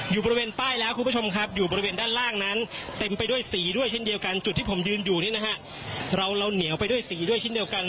อยู่บริเวณป้ายแล้วคุณผู้ชมครับอยู่บริเวณด้านล่างนั้นเต็มไปด้วยสีด้วยเช่นเดียวกันจุดที่ผมยืนอยู่นี่นะฮะเราเหนียวไปด้วยสีด้วยเช่นเดียวกัน